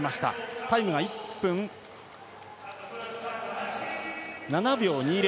タイムが１分７秒２０。